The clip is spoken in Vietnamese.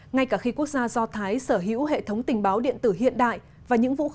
ngay cả khi quốc gia do thái sở hữu hệ thống tình báo điện tử hiện đại và những vũ khí